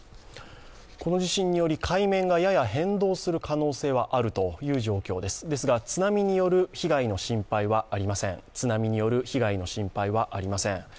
この地震により海面がやや変動する可能性はあるという状況ですがですが、津波による被害の心配はありません。